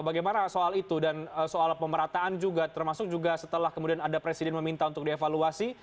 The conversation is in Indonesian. bagaimana soal itu dan soal pemerataan juga termasuk juga setelah kemudian ada presiden meminta untuk dievaluasi